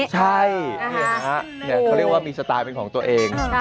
ใช่เขาเรียกว่ามีสไตล์เป็นของตัวเอง